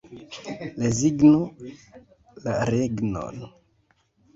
Rezignu la regnon.